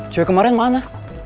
cewek kemarin mana